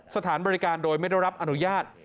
สถานบริการโดยไม่ได้รับอนุญาต